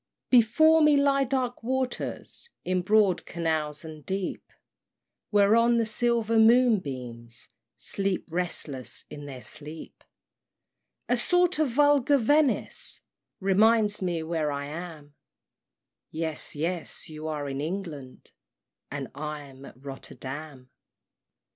II. Before me lie dark waters In broad canals and deep, Whereon the silver moonbeams Sleep, restless in their sleep; A sort of vulgar Venice Reminds me where I am; Yes, yes, you are in England, And I'm at Rotterdam.